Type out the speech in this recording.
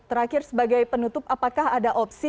terakhir sebagai penutup apakah ada opsi